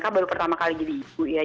kan baru pertama kali jadi ibu ya